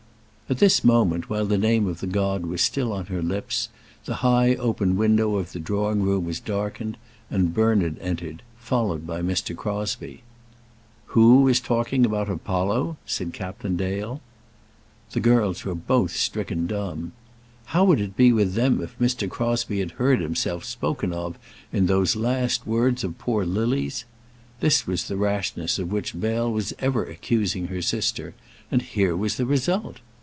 At this moment, while the name of the god was still on her lips, the high open window of the drawing room was darkened, and Bernard entered, followed by Mr. Crosbie. "Who is talking about Apollo?" said Captain Dale. The girls were both stricken dumb. How would it be with them if Mr. Crosbie had heard himself spoken of in those last words of poor Lily's? This was the rashness of which Bell was ever accusing her sister, and here was the result!